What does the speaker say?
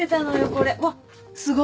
これわっすごい。